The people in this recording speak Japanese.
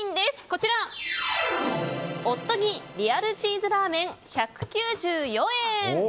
こちらオットギリアルチーズラーメン１９４円。